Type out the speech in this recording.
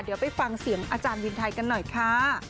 เดี๋ยวไปฟังเสียงอาจารย์วินไทยกันหน่อยค่ะ